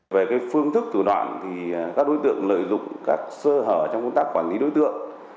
về phương thức thủ đoạn thì các đối tượng lợi dụng các sơ hở trong công tác quản lý đối tượng